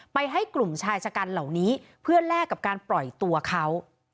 ให้กลุ่มชายชะกันเหล่านี้เพื่อแลกกับการปล่อยตัวเขา